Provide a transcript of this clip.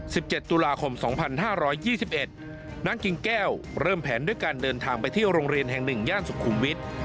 สิบเจ็ดตุลาคมสองพันห้าร้อยยี่สิบเอ็ดนางกิ่งแก้วเริ่มแผนด้วยการเดินทางไปที่โรงเรียนแห่งหนึ่งย่านสุขุมวิทย์